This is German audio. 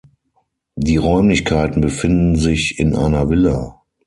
Die Räumlichkeiten befinden sich in einer Villa.